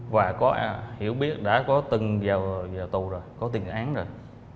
và có hiểu biết đã có từng vào tù rồi có tình án rồi